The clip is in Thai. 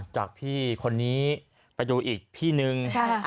จากพี่คนนี้ไปดูอีกพี่นึง